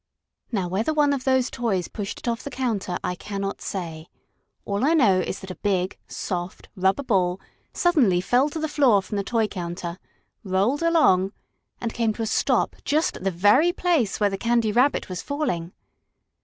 Now whether one of these toys pushed it off the counter I cannot say; all I know is that a big, soft, rubber ball suddenly fell to the floor from the toy counter, rolled along and came to a stop just at the very place where the Candy Rabbit was falling.